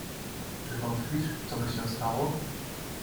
"Czy wątpisz, coby się stało?"